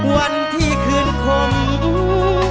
วันที่คืนคง